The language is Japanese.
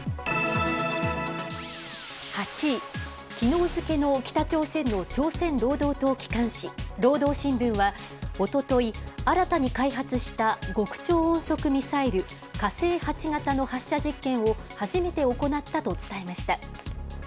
８位、きのう付けの北朝鮮の朝鮮労働党機関紙、労働新聞はおととい、新たに開発した極超音速ミサイル、火星８型の発射実験を初めて行ったと伝えました。